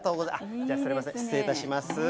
じゃあ、すみません、失礼いたします。